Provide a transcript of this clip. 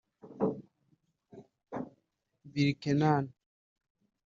Birkenan